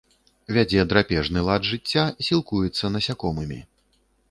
Вядзе драпежны лад жыцця, сілкуецца насякомымі.